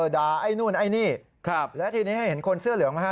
ไอ้นู่นไอ้นี่แล้วทีนี้ให้เห็นคนเสื้อเหลืองไหมฮ